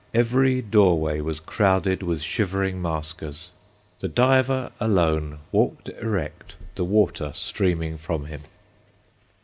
Every doorway was crowded with shivering maskers. The diver alone walked erect, the water streaming from him.